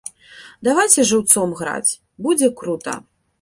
Давайце жыўцом граць, будзе крута!